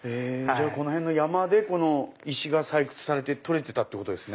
この辺の山でこの石が採掘されて採れてたってことですね。